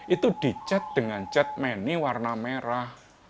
itu dicet dengan cet meni warna merah